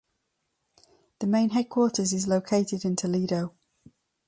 The main headquarters is located in Toledo.